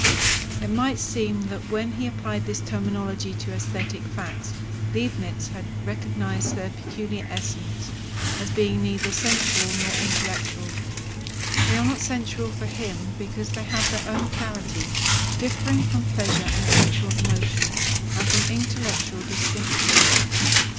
It might seem that when he applied this terminology to aesthetic facts, Leibnitz had recognized their peculiar essence, as being neither sensual nor intellectual. They are not sensual for him, because they have their own "clarity," differing from pleasure and sensual emotion, and from intellectual "distinctio."